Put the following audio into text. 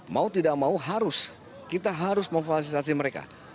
mau tidak mau harus kita harus memfasilitasi mereka